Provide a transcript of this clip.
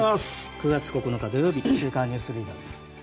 ９月９日、土曜日「週刊ニュースリーダー」です。